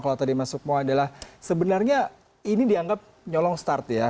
kalau tadi mas sukmo adalah sebenarnya ini dianggap nyolong start ya